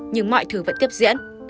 nhưng mọi thứ vẫn tiếp diễn